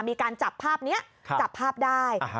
มีการจับภาพนี้จับภาพได้